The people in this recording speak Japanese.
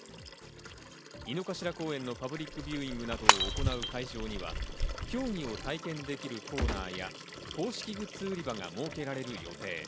井の頭公園のパブリックビューイングなどを行う会場には、競技を体験できるコーナーや、公式グッズ売り場が設けられる予定。